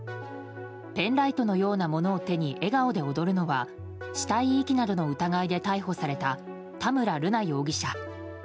ペンライトのようなものを手に笑顔で踊るのは死体遺棄などの疑いで逮捕された田村瑠奈容疑者。